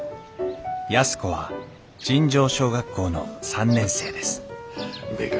安子は尋常小学校の３年生ですうめえか？